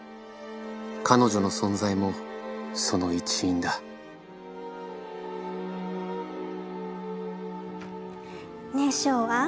彼女の存在もその一因だねえショウアン。